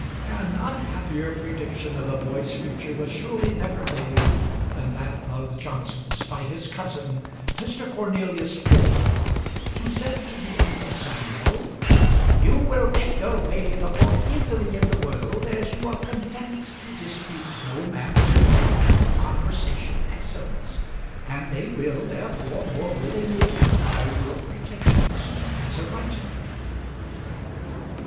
An unhappier prediction of a boy's future was surely never made than that of Johnson's by his cousin, Mr. Cornelius Ford, who said to the infant Samuel, "You will make your way the more easily in the world as you are content to dispute no man's claim to conversation excellence, and they will, therefore, more willingly allow your pretensions as a writer."